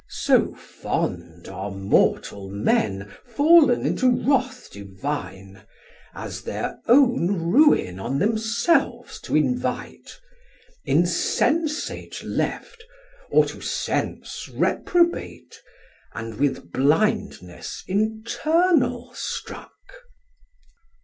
So fond are mortal men Fall'n into wrath divine, As thir own ruin on themselves to invite, Insensate left, or to sense reprobate, And with blindness internal struck.